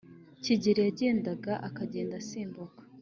Gikeli yagenda akagenda asimbuka.